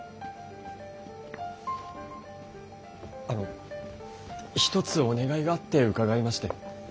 あの一つお願いがあって伺いまして。